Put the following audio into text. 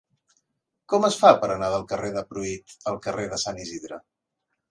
Com es fa per anar del carrer de Pruit al carrer de Sant Isidre?